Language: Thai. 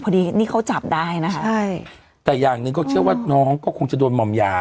พอดีนี่เขาจับได้นะคะใช่แต่อย่างหนึ่งก็เชื่อว่าน้องก็คงจะโดนหม่อมยา